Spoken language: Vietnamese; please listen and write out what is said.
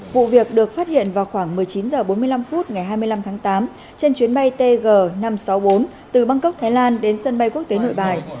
vụ việc được phát hiện vào khoảng một mươi chín h bốn mươi năm phút ngày hai mươi năm tháng tám trên chuyến bay tg năm trăm sáu mươi bốn từ bangkok thái lan đến sân bay quốc tế nội bài